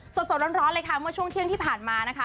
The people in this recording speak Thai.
สดร้อนเลยค่ะเมื่อช่วงเที่ยงที่ผ่านมานะคะ